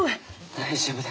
大丈夫だ。